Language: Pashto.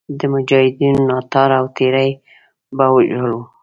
د مجاهدینو ناتار او تېری به وژاړو.